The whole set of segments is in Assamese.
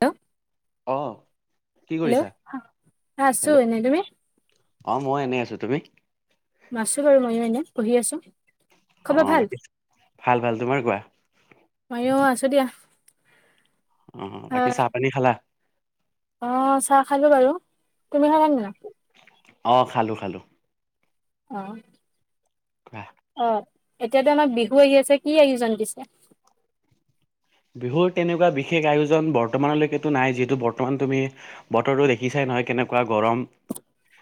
হেল্ল'। অ। কি হেল্ল' কৰিছা আছো হেল্ল' এনে। তুমি? অ মই এনে আছো। তুমি? মাছো বাৰু মই এনে, পঢ়ি আছো। অ খবৰ ভাল? বাকী ভাল ভাল তোমাৰ কোৱা মই আছো দিয়া। উম বাকী চাহ পানী খালা? অহ চাহ খালো বাৰু। তুমি খালা নানা? অ খালো খালো। অহ। কোৱা অ এতিয়াতো আমাৰ বিহু আহি আছে, কি আয়োজন দিছে? বিহুৰ তেনেকুৱা বিশেষ আয়োজন বৰ্তমানলৈকেতো নাই যিহেতু বৰ্তমান তুমি বতৰতো দেখিছাই। হয় কেনেকুৱা গৰম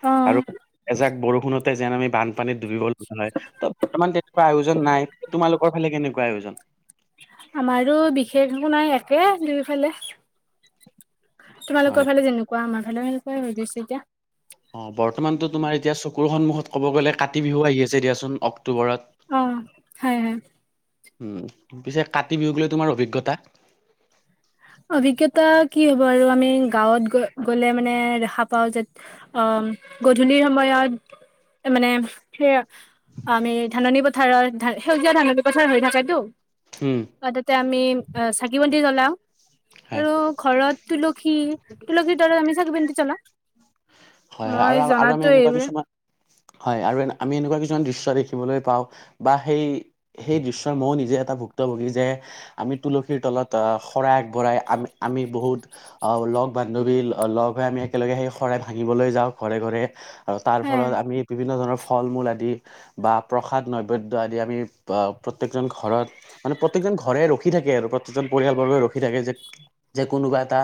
অ আৰু এজাক বৰষুণতে যেন আমি বান পানীত ডুবিব লগা হয়, ত বৰ্তমান তেনেকুৱা আয়োজন নাই। তোমালোকৰ ফালে কেনেকুৱা আয়োজন? আমাৰো বিশেষ একো নাই, একে দুইফালে। হয় তোমালোকৰ ফালে যেনেকুৱা আমাৰ ফালে সনেকুৱাই হৈ গৈছে এতিয়া। অ বৰ্তমানতো তোমাৰ এতিয়া চকুৰ সন্মুখত ক'ব গ'লে কাতি বিহু আহি আছে দিয়াচোন। অক অ হয় হয়। উম, পিছে কাতি বিহুক লৈ তোমাৰ অভিজ্ঞতা? অভিজ্ঞতা কি হ'ব আৰু আমি গাঁৱত গ-গ'লে মানে দেখা পাও যে, অ, অ', গধূলি সময়ত, মানে, সেয়া আমি ধাননি পথাৰত ধা সেউজীয়া ধাননি পথাৰ হৈ থাকেতো। উম আৰু তাতে আমি চাকি বন্তি জ্বলাও। হয় আৰু ঘৰত তুলসী-তুলসীৰ তলত আমি চাকি বন্তি জ্বলাও। হয়, মই আৰু আমি জনাতো এনেকুৱা এইবোৰে কিছুমান, হয় আৰু আমি এনেকুৱা কিছুমান দৃশ্য দে খিবলৈ পাওঁ, বা সেই, সেই দৃশ্যৰ নিজে এটা ভুক্তভুগী যে, আমি তুলসীৰ তলত লতা শৰাই আগবঢ়াই আমি-আমি বহুত অ, লগ বান্ধৱী লগ হৈ আমি একেলগে সেই শৰাই আনিবলৈ যাওঁ ঘৰে ঘৰে, আৰু তাৰ হে ফলত আমি বিভিন্ন ধৰণৰ ফল-মূল আদি, বা প্ৰাসাদ নৈবদ্য আদি আমি আহ প্ৰত্যেক ঘৰত, মানে প্ৰতেক ঘৰে ৰখি থাকে আৰু প্ৰতিজন পৰিয়ালবৰ্গই ৰখি থাকে যে। যে কোনোবা এটা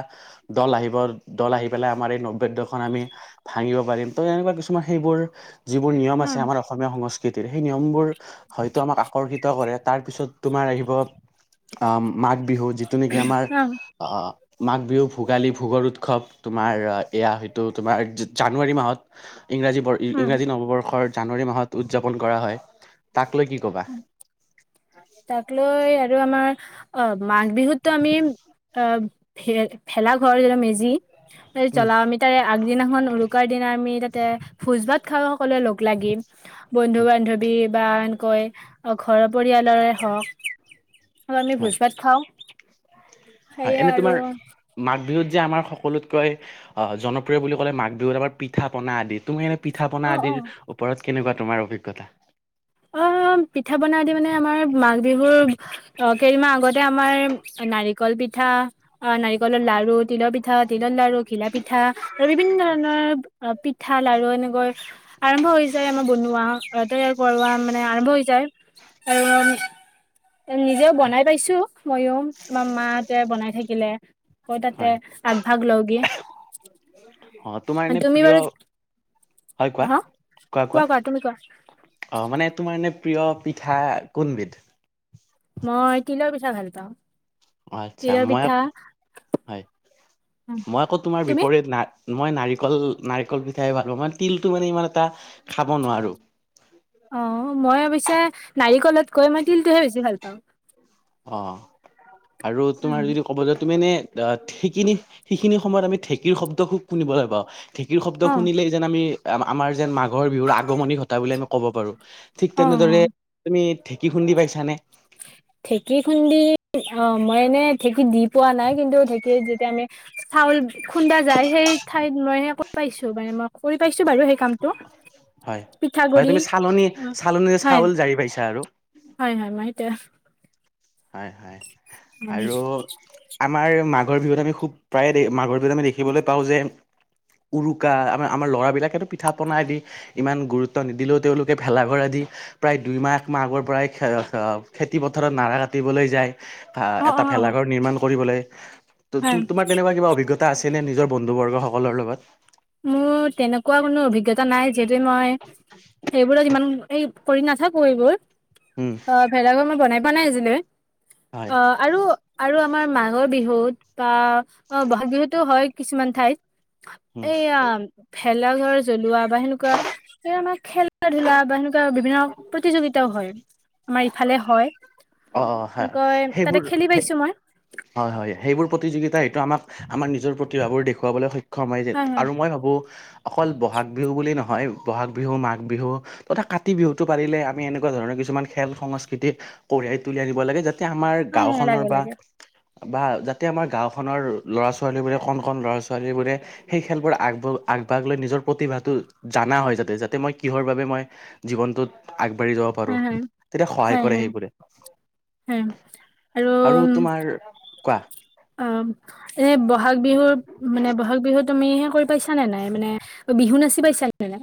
দল আহিব, দল আহি পেলাই আমাৰ এই নৈবদ্য মানে আমি, ভাঙিব পাৰিম ত' এনেকুৱা কিছুমান সেইবোৰ, যিবোৰ নিয়ম হ আছে আমাৰ অসমীয়া সমাজ কৃতিৰ সেই নিয়মবোৰ, হয়তো আমাক আকৰ্ষিত কৰে তাৰপিছত তোমাৰ আহিব, আম মাঘ বিহু যিটো নেকি আমাৰ, হ আহ মাঘ বিহু ভোগালী ভোগৰ উৎসৱ তোমাৰ, এয়া হয়তো তোমাৰ জা-জানুৱাৰী মাহত। ইংৰাজী বৰ উম ইংৰাজী নৱবৰ্ষৰ জানুৱাৰী মাহত উদযাপন কৰা হয়। তাক লৈ কি ক'বা তাক লৈ আৰু আমাৰ, আব মাঘ বিহুতো আমি, আব, ভে-ভেলাঘৰ মেজি। যে উম জ্বলাও আমি তাৰে আগদিনাখন উৰুকাৰ দিনা আমি তাতে, ভোজ ভাত খাওঁ সকলোৱে লগ লাগি। বন্ধু-বান্ধৱী বা আন কৈ, অ, ঘৰৰ পৰিয়ালৰে হওক। অ', আমি হয় ভোজ ভাত খাওঁ। হয় সেয়ে এনে আৰু তোমাৰ মাঘ বিহুত। যে আমাৰ সকলোতকৈ অ জনপ্ৰিয় বুলি ক'লে মাঘ বিহুত আমাৰ পিঠা পনা আদি। তুমি এনে পিঠা পনা অ' অ' আদিৰ ওপৰত কেনেকুৱা তোমাৰ অভিজ্ঞতা। অ -অ -অম পিঠা বনাওঁ দি মানে আমাৰ মাঘ বিহুৰ আহ কেইদিনমান আগতে আমাৰ নাৰিকল পিঠা অ নাৰিকলৰ লাৰু তিলৰ পিঠা তিলৰ লাৰু ঘিলা পিঠা আৰু বিভিন্ন ধৰণৰ অ পিঠা লাৰু এনেকৈ আৰম্ভ হৈ যায় আমাৰ বনোৱা অ তৈয়াৰ কৰোৱা মানে আৰম্ভ হৈ যায় - - নিজেও বনাই পাইছো মইও বা মাহতে বনাই থাকিলে, মই তাতে হয় আগ ভাগ লওগে অ তোমাৰ এনে প্ৰিয় হয় কোৱা হা কোৱা কোৱা অ মানে তোমাৰ এনে প্ৰিয় পিঠা কোনবিধ? মই তিলৰ পিঠা ভাল পাওঁ। অ আচ্ছা তিলৰ মই পিঠা আকৌ হয় মই আকৌ তোমাৰ তুমি বিপৰীত না মই নাৰিকল নাৰিকল পিঠাই ভাল পাওঁ ম তিলটো মানে ইমান এটা খাব নোৱাৰো। অ মই অৱশ্যে নাৰিকলতকৈ মই তিলটোহে বেছি ভাল পাওঁ। অ আৰু তোমাৰ যদি ক'ব য মানে ঢেঁকী সিখিনি সময়ত আমি ঢেঁকীৰ শব্দ খুব শুনিবলৈ পাওঁ ঢেঁকীৰ অ শব্দ শুনিলেই যেন আমি আ আমাৰ যেন মাঘৰ বিহুৰ আ আগমনি ঘটা বুলি আমি ক'ব পাৰো ঠিক অ অ তেনেদৰে তুমি ঢেঁকী খুন্দি পাইছানে? ঢেঁকী খুন্দি, অ মই এনে ঢেঁকী দি পোৱা নাই কিন্তু ঢেঁকীত যেতিয়া আমি চাউল খুন্দা যায় সেই ঠাইত মই সে কৰি পাইছো বানে মই কৰি পাইছো বাৰু সেই কামটো। হয় মানে পিঠাগুৰি তুমি চালনী চালনীৰে হয় চাউল জাৰি পাইছা আৰু। তে হয় হয় আৰু আমাৰ মাঘৰ বিহুত আমি খুব প্ৰায়ে দে মাঘৰ বিহুত আমি দেখিবলৈ পাওঁ যে উৰুকা আমাৰ আমাৰ ল'ৰাবিলাকেদি পিঠা পনাই দি ইমান গুৰুত্ব নিদিলেও তেওঁলোকে ভেলাঘৰ আদি টি প্ৰায় দুইমাহ একমাহ আগৰ পৰাই খেৰ খেৰ খেতি পথাৰত নাৰা কাট তিবলে যায় আ অ এটা অ অ ভেলাঘৰ নিৰ্মাণ কৰিবলে তো হয় তোমাৰ তেনেকুৱা কিবা অভিজ্ঞত টা আছিলে নিজৰ বন্ধু বৰ্গসকলৰ লগত মোৰ তেনেকুৱা কোনো অভিজ্ঞতা নাই যিহেতু মই সেইবোৰত ইমান এই কৰি নাথাকো এইবোৰ, উম অ ভেলাঘৰ মই বনাই পোৱা নাই আজিলে হয় অ আৰু আৰু আমাৰ মাঘৰ বিহুত বা অ ব'হাগ বিহুতো হয় কিছুমান ঠাইত উম এইয়াম ভেলাঘৰ জ্বলোৱা বা সেনেকুৱা এ আমাক খেলা ধূলা বা সেনেকুৱা বিভিন্ন প্ৰতিযোগিতাও হয়। আমাৰ ইফালে হয়। অ হয় এনেকৈ তাতে সেইবোৰ খেলি সে পাইছো মই হয় হয় সেইবোৰ প্ৰতিযোগিতা এইটো আমাক আমাৰ নিজৰ প্ৰতিভাবোৰ দেখুৱাবলৈ সক্ষম হয় যে আৰু মই ভাবো অকল বহাগ বিহু বুলি নহয় বহাগ বিহু মাঘ বিহু তথা কাতি বিহুটো পাৰিলে আমি এনেকুৱা ধৰণ কিছুমান খেল সংস্কৃতি কঢ়িয়াই তুলি আনিব লাগে যাতে আমাৰ হয় হয় গাওখনৰ লাগে বা লাগে বা যাতে আমাৰ গাঁওখনৰ ল'ৰা-ছোৱালীবোৰে কণ কণ ল'ৰা ছোৱালীবোৰে সেই খেলবোৰ আগব আগভাগ লৈ, নিজৰ প্ৰতিভাটো জানা হয়, যাতে। যাতে, মই কিহৰ বাবে, মই জীৱনটোত আগবাঢ়ি যাব পাৰোঁ। হয় হয় তেতিয়া, সহায় হয় কৰে, সেইবোৰে। [unintelligible] আৰু কোৱা অ'! এনে, বহাগ বিহু মানে, বহাগ বিহু তুমিহে, কৰি পাইছা নে নাই? মানে, বিহু নাচি পাইছা নে নাই?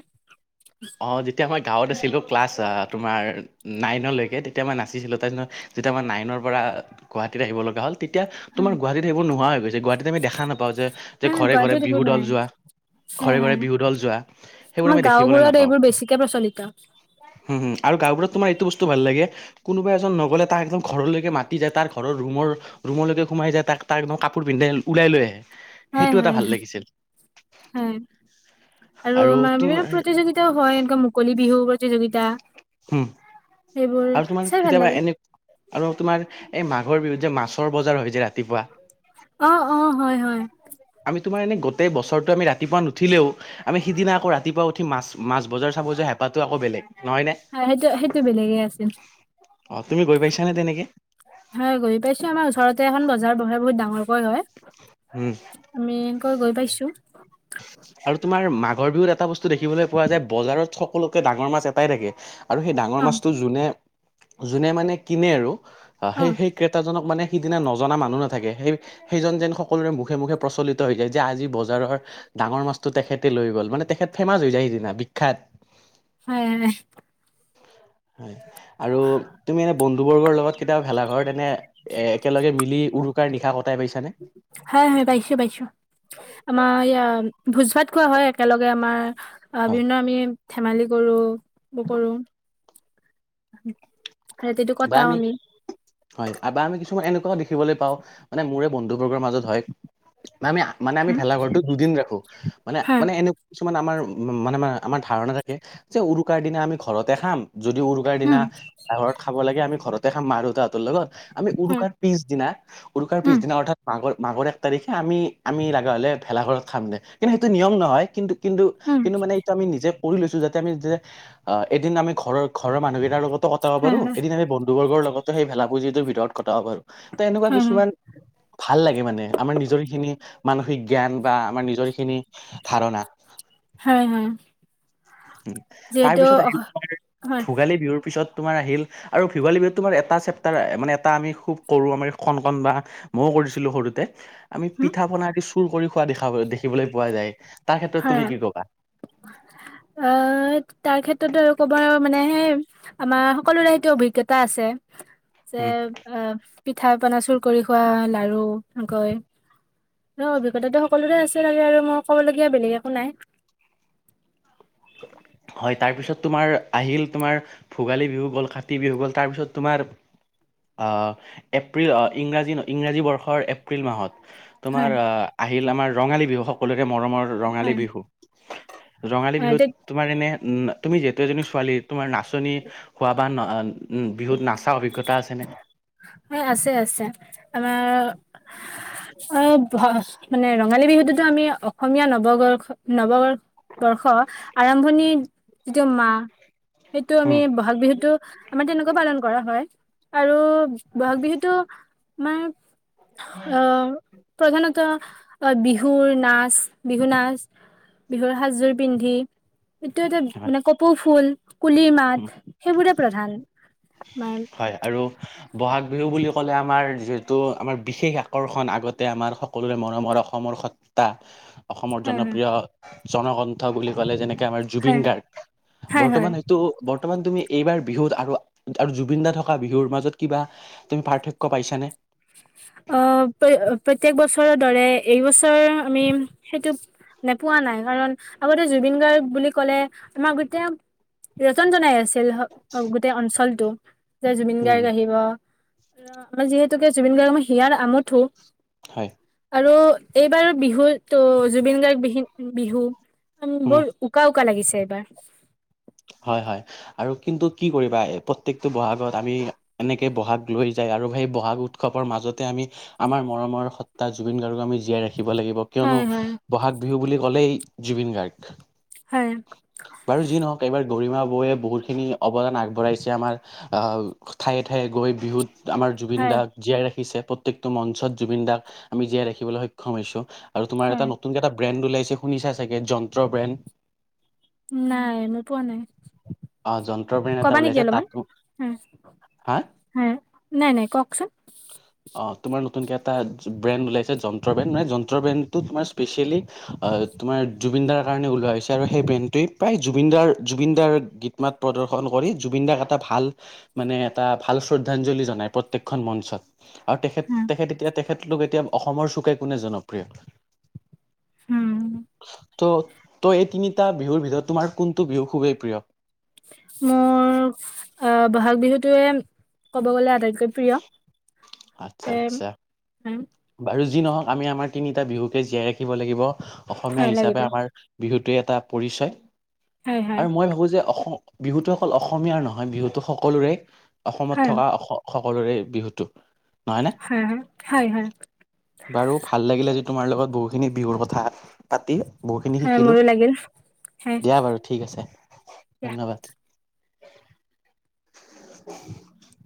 অ'! তেতিয়া মই, গাঁৱত আছিলোঁ, ক্লাছ তোমাৰ, নাইনলৈকে। তেতিয়া, মই নাচিছিলোঁ। তাৰপিছত, যেতিয়া মই, নাইনৰ পৰা আঁ গুৱাহাটীত আহিব লগা হ'ল। তেতিয়া, হয় তোমাৰ গুৱাহাটীত সেইবোৰ, নোহোৱা হৈ গৈছে। গুৱাহাটীত আমি দেখা নাপাওঁ যে, হয় ঘৰে- ঘৰে গুৱাহাটীত বিহু এইবোৰ দল নাই যোৱা। হয় ঘৰে-ঘৰে হয় বিহু দল যোৱা। সেইবোৰ আমি, দেখিবলৈ না সেইবোৰ বেছিকে প্ৰচলিত। হুম আৰু গাঁওবোৰত তোমাৰ, এইটো বস্তু ভাল লাগে! কোনোবা এজন নগ'লে, তাক একদম ঘৰলৈকে মাতি যায়। তাৰ ঘৰৰ ৰুমৰ ৰুমলৈকে সোমাই যায়। তাক, তাক একদম কাপোৰ পিন্ধে, ওলাই লৈ আহে। হয়, সেইটো এটা হয়, ভাল লাগিছিল হয়! আৰু মানে, বিভিন্ন প্ৰতিযোগি তাও হয়। এনেকুৱা, মুকলি বিহু প্ৰতিযোগিতা। উম সেইবোৰ আৰু তোমাৰ, চাই ভাল কেতিয়াবা লাগে এনে আৰু তোমাৰ এই, মা মাঘৰ বিহুত যে, মাছৰ বজাৰ হৈ যে, ৰাতিপুৱা। অ অ হয় হয় আমি তোমাৰ এনে, গোটেই বছৰটো আমি ৰাতিপুৱা নুঠিলেওঁ, আমি সিদিনা আকৌ, ৰাতিপুৱা উঠি মাছ-মাছ বজাৰ চাব যোৱা হেঁপাহটো, আকৌ বেলেগ। নহয় নে? হয়! সেইটো-সেইটো বেলেগে আছিল। অ'! তুমি গৈ পাইছানে, তেনেকে? হয়, গৈ পাইছোঁ আমাৰ ওচৰতে। এখন বজাৰ বহে, বহুত ডাঙৰকৈ হয়। উম। হয়, গৈ পাইছোঁ। আৰু তোমাৰ মাঘৰ বিহুত এটা বস্তু দেখিবলৈ পোৱা যায়। বজাৰত সকলোকে ডাঙৰ মাছ এটাই থাকে। আৰু সেই ডাঙৰ অ মাছটো যোনে, যোনে মানে কিনে আৰু অ সেই সেই ক্ৰেতাজনক মানে সিদিনা নজনা মানুহ নাথাকে, সেই সেইজন যেন সকলোৰে মুখে মুখে প্ৰচলিত হৈ যায় যে, আজি বজাৰৰ ডাঙৰ মাছটো তেখেতে লৈ গ'ল মানে তেখেত ফেমাচ হৈ যায়, সিদিনা বিখ্যাত হয়, হয়। আৰু তুমি এনে বন্ধু বৰ্গৰ লগত কেতিয়াবা ভেলাঘৰত এনে এহ একেলগে মিলি উৰু গোটেই নিশা কটাই পাইছানে? হয় হয় পাইছো পাইছো, আমাৰ ভোজ ভাত খোৱা হয় একেলগে আমাৰ আহ হয় বিভিন্ন আমি ধেমালি কৰোঁ, কৰোঁ ৰাতিটো কটাওঁ আমি হয় বা আমি কিছুমান এনেকুৱাও দেখিবলৈ পাওঁ, মানে মোৰে বন্ধুবৰ্গৰ মাজত হয়। আমি মানে আমি উম, ভেলাঘৰটো দুদিন ৰাখো, মানে হয় মানে এনেকুৱা কিছুমান আমাৰ উহ মানে মানে, আমাৰ ধাৰণা থাকে যে উৰুকাৰ দিনা আমি ঘৰতে খাম, যদি উৰুকাৰ দিনা উম ঘৰত খাব লাগে, আমি ঘৰতে খাম মা দেউতা হতৰ লগত, আমি উম উৰুকাৰ পিছদিনা উৰুকাৰ উম পিছদিনা অৰ্থাৎ মাঘৰ মাঘৰ এক তাৰিখে আমি, আমি লগা হলে ভেলাঘৰত খাম দে, কিন্তু সেইটো নিয়ম নহয় কিন্তু কিন্তু, উম কিন্তু মানে এইটো আমি নিজে কৰি লৈছো যাতে আমি যেতিয়া, এদিন আমি ঘৰৰ ঘৰ মানুহকেইাৰ লগত কটাব হয় পাৰোঁ, হয় এদিন আমি বন্ধু বৰ্গৰ লগত সেই ভেলাভূজিটোৰ ভিতৰত কটাব পাৰোঁ। তহ এনেকুৱা হয় হয় কিছুমান ভাল লাগে মানে, আমাৰ নিজৰখিনি মানসিক জ্ঞান বা আমাৰ নিজৰখিনি ধাৰণা হয় হয় তাৰ পিছত যিহেতু আহিল তোমাৰ হয় ভোগালী বিহুৰ পিছত তোমাৰ আহিল, আৰু ভুগালী তোমাৰ এটা চেপটাৰ মানে, এটা আমি খুব কৰো আমাৰ কন কণ বা বহু কৰিছিলো সৰুতে, আমি হুম পিঠা পনা আদি চুৰ কৰি খোৱা দেখা দেখিবলৈ পোৱা যায়। তাৰ ক্ষেত্ৰত হয় তুমি কি কবা? আহ তাৰ ক্ষেত্ৰত আৰু ক'ব আৰু মানে সেই আমাৰ সকলোৰে সেইটো অভিজ্ঞতা আছে। যে উম আহ পিঠা পনা চুৰ কৰি খোৱা লাৰু কৈ আৰু অভিজ্ঞতাটো সকলোৰে আছে। তাকে আৰু মই ক'বলগীয়া বেলেগ একো নাই। [unintelligible] হয়, তাৰপিছত তোমাৰ আহিল তোমাৰ ভোগালী বিহু গ'ল, কাতি বিহু গ'ল, তাৰপিছত তোমাৰ আহ এপ্ৰিল আহ ইংৰাজী ইংৰাজী বৰ্ষৰ এপ্ৰিল মাহত তোমাৰ হয় আহ আহিল আমাৰ ৰঙালী বিহু সকলোৰে মৰমৰ ৰঙালী হয় বিহু, ৰঙালী অ, বিহুত তে- তোমাৰ এনে তুমি যিহেতু এজনী ছোৱালী তোমাৰ নাচনী হোৱা বা ন উম, বিহুত নাচা অভিজ্ঞতা আছেনে? মানে আছে, আছে আমাৰ আৰু মানে ৰঙালী বিহুটোতো আমি অসমীয়া নৱবৰ্ষ নৱবৰ্ষৰ বৰ্ষ আৰম্ভণিৰ যিটো মাহ সেইটো আমি উম ব'হাগ বিহুতটো আমাৰ তেনেকুৱা পালন কৰা হয় আৰু ব'হাগ বিহুটো মানে অ' প্ৰধানত তোৰ অহ' বিহুৰ নাচ, বিহু নাচ, বিহুৰ সাজযোৰ পিন্ধি সেইটো এইটা হয় মানে কপৌ ফুল, কুলি মাত উম, সেইবোৰে প্ৰধান। আমাৰ হয়, আৰু ব'হাগ বিহু বুলি ক'লে আমাৰ যিহেতু আমাৰ বিশেষ আকৰ্ষণ আগতে আমাৰ সকলোৰে মৰমৰ অসমৰ সতটা অসমৰ হয় হয় জনপ্ৰিয় জনকণ্ঠ বুলি ক'লে যেনে এতিয়া আমাৰ জুবিন হয় গাৰ্গ হয় হয় বৰ্তমান হেইটো বৰ্তমান তুমি এইবাৰ বিহুত আৰু আৰু জুবিন দা থকা বিহুৰ মাজত কিবা তুমি পাৰ্থক্য পাইছানে? আহ, প্ৰ প্ৰত্যেক বছৰৰ দৰে এইবছৰ আমি সেইটো নোপোৱা নাই কাৰণ আগতে জুবিন গাৰ্গ বুলি ক'লে আমাৰ গোটেই ৰজন জনাই আছিল গোটেই অঞ্চলটো। যে জুবিন উম, গাৰ্গ আহিব আৰু আমাৰ যিহেতুকে জুবিন গাৰ্গ মই হিয়াৰ আমুঠো। হয়। আৰু এইবাৰ বিহুটো জুবিন গাৰ্গ বিহিন বিহু উম, বৰ উকা উকা লাগিছে এইবাৰ। হয়, হয় আৰু কিন্তু কি কৰিবা এই প্ৰত্যেকটো বহাগত আমি এনেকে বহাগ লৈ যায় আৰু সেই বহাগ উৎসৱৰ মাজতে আমি আমাৰ মৰমৰ সত্তা জুবিন গাৰ্গক আমি জীয়াই ৰাখ ৰাখিব লাগিব হয় কিয়নো হয় বহাগ বিহু বুলি ক'লেই জুবিন গাৰ্গ। হয় বাৰু যি নহওক এইবাৰ গৰিমা বৌৱে বহুতখিনি অৱদান আগবঢ়াইছে আমাৰ ঠায়ে ঠায়ে গৈ বিহুত আমাৰ জুবিন হয় দাক জীয়াই ৰাখিছে প্ৰত্যেকটো মঞ্চত জুবিন দাক আমি জীয়াই ৰাখিবলৈ সক্ষম হৈছো আৰু তোমাৰ হয় এটা নতুনক এটা ব্ৰেণ্ড ওলাইছে শুনিছা চাগে যন্ত্ৰ ব্ৰেণ্ড। নাই মই মোৰ পোৱা নাই অ যন্ত্ৰ ব্ৰেণ্ড এটা কবা নেকি ওলাইছে অলপমান তাত হা? হা হয় নাই, নাই কওকচোন অ তোমাৰ নতুনকে এটা ব্ৰেণ্ড ওলাইছে যন্ত্ৰ ব্ৰেণ্ড মানে যন্ত্ৰ ব্ৰেণ্ডটো তোমাৰ স্পেচিয়েলি তোমাৰ জুবিন দাৰ কাৰণে ওলাইছে। আৰু সেই ব্ৰেণ্ডটোৱে প্ৰায় জুবিনদাৰ জুবিনদাৰ গীত মাত প্ৰদৰ্শন কৰি জুবিন দাক এটা ভাল মানে এটা ভাল শ্ৰদ্ধাঞ্জলি জনাই প্ৰত্যেকখন মঞ্চক। আৰু তেখেত হুম তেখেত এতিয়া তেখেতলোক এতিয়া অসমৰ চুকে কোনে জনপ্ৰিয়। হোম ত' ত' এই তিনিটা বিহুৰ ভিতৰত তোমাৰ কোনটো বিহু খুবেই প্ৰিয়? মোৰ আহ বহাগ বিহুটোৱে ক'ব গ'লে আটাইতক প্ৰিয় আচ্ছা তে আচ্ছা হ বাৰু যি নহওঁক আমি আমাৰ তিনিটা বিহুকে জীয়াই ৰাখিব লাগিব অসমীয়া হয় হিচাপে লাগিব আমাৰ বিহুত গোটোৱেই এটা পৰিচয়, হয় হয় আৰু মই ভাবোঁ যে অসম বিহুতটো অকল অসমীয়াৰ নহয় বিহুতো সকলোৰে অসমত হয় থকা অস সকলোৰে বিহুটো, নহয় নে হয় হয় হয়। বাৰু ভাল লাগিলে আজি তোমাৰ লগত বহুতখিনি বিহুৰ কথা পাতি। বহুখিনি খাই শিকিলোঁ মোৰো লাগিল খাই দিয়া বাৰু ঠিক আছে দিয়া ধন্যবাদ। [unintelligible]